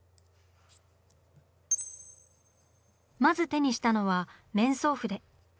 まず手にしたのは面相筆。